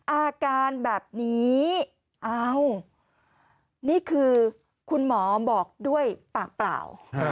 อาการแบบนี้เอ้านี่คือคุณหมอบอกด้วยปากเปล่า